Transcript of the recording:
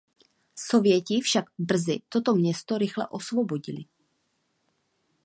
Sověti však brzy toto město rychle osvobodili.